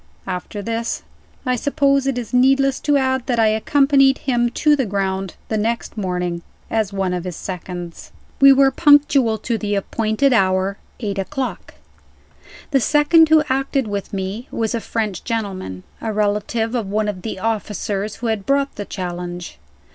After this, I suppose it is needless to add that I accompanied him to the ground the next morning as one of his seconds. V. WE were punctual to the appointed hour eight o'clock. The second who acted with me was a French gentleman, a relative of one of the officers who had brought the challenge.